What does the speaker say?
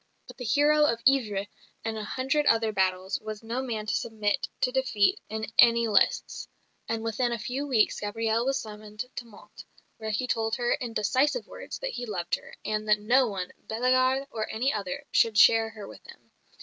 But the hero of Ivry and a hundred other battles was no man to submit to defeat in any lists; and within a few weeks Gabrielle was summoned to Mantes, where he told her in decisive words that he loved her, and that no one, Bellegarde or any other, should share her with him.